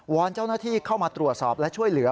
อนเจ้าหน้าที่เข้ามาตรวจสอบและช่วยเหลือ